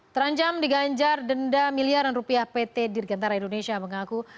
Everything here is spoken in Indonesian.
terancam diganjar denda miliaran rupiah pt dirgantara indonesia mengaku